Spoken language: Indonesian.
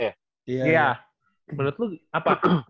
iya menurut lu apa